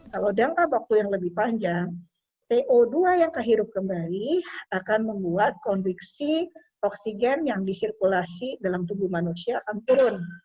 kalau dalam waktu yang lebih panjang to dua yang kehirup kembali akan membuat konduksi oksigen yang disirkulasi dalam tubuh manusia akan turun